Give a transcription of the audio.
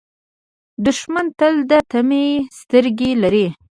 دښمن تل د طمعې سترګې لري